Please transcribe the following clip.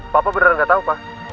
papa beneran gak tahu pak